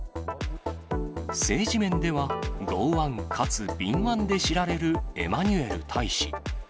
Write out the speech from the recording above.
政治面では剛腕かつ敏腕で知られるエマニュエル大使。